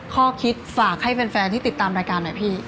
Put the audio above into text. ข้อคิดฝากให้แฟนที่ติดตามรายการหน่อยพี่